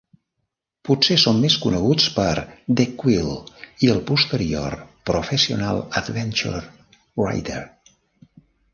Potser són més coneguts per "The Quill" i el posterior "Professional Adventure Writer".